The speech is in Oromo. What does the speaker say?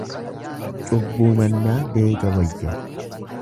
Cubbuu mannaa deega wayya.